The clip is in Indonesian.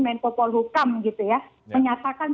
menkopol hukam gitu ya menyatakan